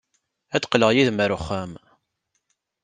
Ad d-qqleɣ yid-m ɣer uxxam.